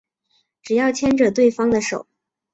只要牵着对方的手